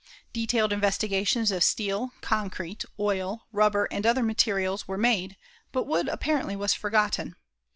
Detailed investigations of steel, concrete, oil, rubber and other materials were made but wood apparently was forgotten.